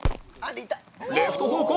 レフト方向